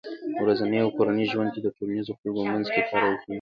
ورځني او کورني ژوند کې د ټولنيزو خلکو په منځ کې کارول کېږي